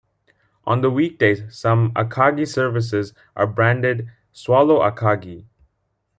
On the weekdays some "Akagi" services are branded "Swallow Akagi".